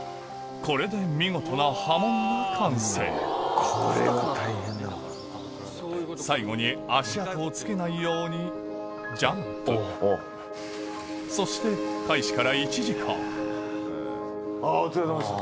これで見事な波紋が完成最後に足跡をつけないようにジャンプそして開始から１時間お疲れさまでした。